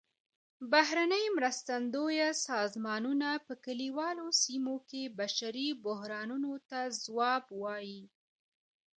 بهرنۍ مرستندویه سازمانونه په کلیوالو سیمو کې بشري بحرانونو ته ځواب ووايي.